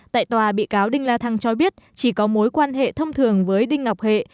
tại tòa bị cáo đinh la thăng cho biết chỉ có mối quan hệ thông thường với đinh ngọc hệ